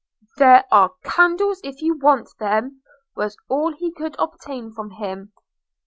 – 'There are candles, if you want them!' was all he could obtain from him.